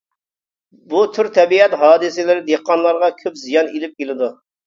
بۇ تۈر تەبىئەت ھادىسىلىرى دېھقانلارغا كۆپ زىيان ئېلىپ كېلىدۇ.